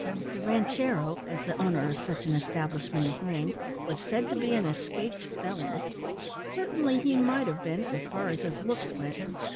The ranchero, as the owner of such an establishment is named, was said to be an escaped felon. Certainly he might have been, as far as his looks went.